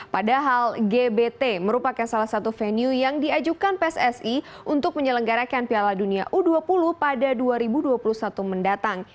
padahal gbt merupakan salah satu venue yang diajukan pssi untuk menyelenggarakan piala dunia u dua puluh pada dua ribu dua puluh satu mendatang